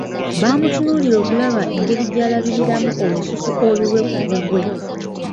Bamutunuulira okulaba engeri gy’alabiriramu olusuku olulwe ku bubwe.